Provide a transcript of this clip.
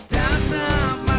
ini ga salah